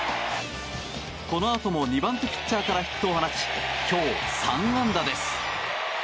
このあとも２番手ピッチャーからヒットを放ち、今日３安打です。